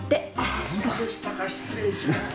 あぁそうでしたか。失礼しました。